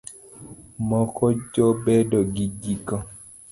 moko jobedo gi giko?